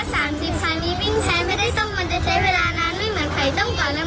ที่มีปิ๊งแพงไม่ได้ต้องมันจะใช้เวลานาน